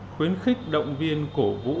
khuyến khích động viên cổ vũ